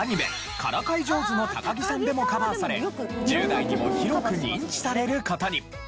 『からかい上手の高木さん』でもカバーされ１０代にも広く認知される事に。